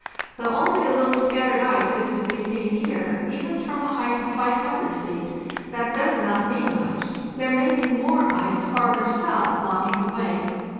Though only a little scattered ice is to be seen here, even from a height of 500 feet, that does not mean much; there may be more ice farther south blocking THE JOURNEY SOUTHWARD 569 the way.